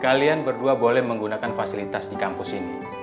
kalian berdua boleh menggunakan fasilitas di kampus ini